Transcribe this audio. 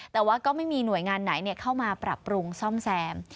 แต่ว่าก็ไม่มีหน่วยงานไหนเข้ามาปรับปรุงซ่อมแซม